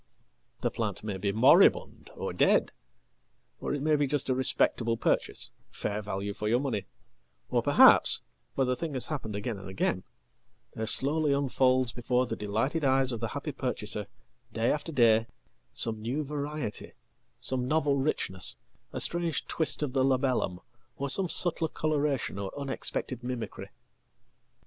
The plant may be moribund or dead, or it may be just arespectable purchase, fair value for your money, or perhaps for the thinghas happened again and again there slowly unfolds before the delightedeyes of the happy purchaser, day after day, some new variety, some novelrichness, a strange twist of the labellum, or some subtler colouration orunexpected mimicry.